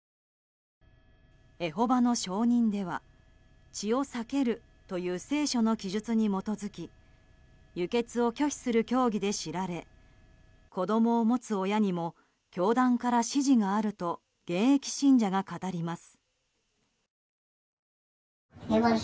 エホバの証人では血を避けるという聖書の記述に基づき輸血を拒否する教義で知られ子供を持つ親にも教団から指示があると現役信者が語ります。